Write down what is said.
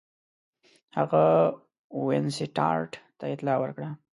هغه وینسیټارټ ته اطلاع ورکړه.